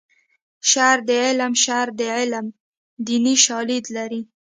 شر د عالم شر د عالم دیني شالید لري